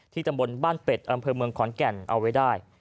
ตำบลบ้านเป็ดอำเภอเมืองขอนแก่นเอาไว้ได้